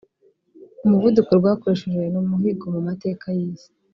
umuvuduko rwakoresheje ni umuhigo mu mateka y’isi